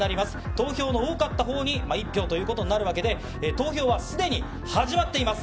投票の多かったほうに１票ということになるわけで、投票はすでに始まっています。